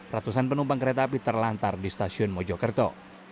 ratusan penumpang kereta api terlantar di stasiun mojokerto